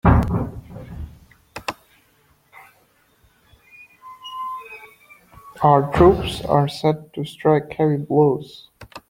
Our troops are set to strike heavy blows.